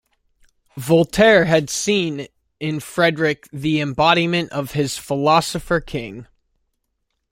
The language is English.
Voltaire had seen in Frederick the embodiment of his "Philosopher King".